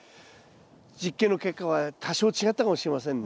実験の結果は多少違ったかもしれませんね。